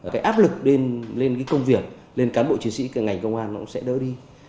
cái áp lực lên công việc lên cán bộ chiến sĩ cái ngành công an nó cũng sẽ đỡ đi